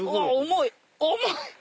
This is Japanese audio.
重い！